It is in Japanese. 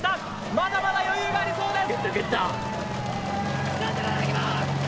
まだまだ余裕がありそうです。